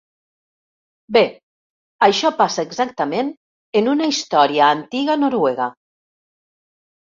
Bé, això passa exactament en una història antiga noruega.